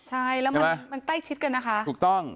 ใช่แล้วมันใกล้ชิดกันนะคะถูกต้อง